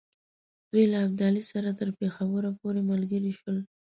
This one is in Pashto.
دوی له ابدالي سره تر پېښور پوري ملګري شول.